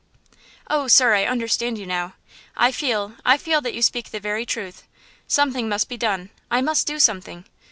"Oh, sir, I understand you now. I feel, I feel that you speak the very truth. Something must be done. I must do something.